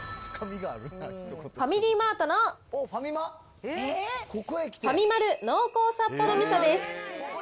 ファミリーマートのファミマル濃厚札幌味噌です。